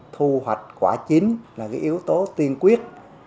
thu hoạch quả chính là cái yếu tố tiên quyết